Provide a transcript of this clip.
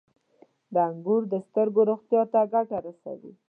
• انګور د سترګو روغتیا ته ګټه رسوي.